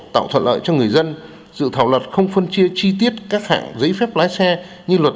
tạo thuận lợi cho người dân dự thảo luật không phân chia chi tiết các hạng giấy phép lái xe như luật